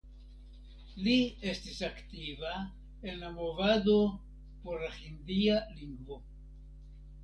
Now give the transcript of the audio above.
Li estis aktiva en la movado por la Hindia lingvo.